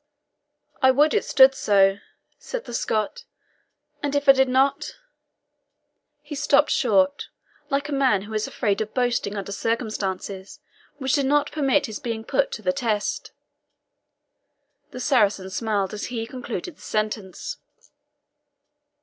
"I would it so stood," said the Scot, "and if I did not " He stopped short, like a man who is afraid of boasting under circumstances which did not permit his being put to the test. The Saracen smiled as he concluded the sentence.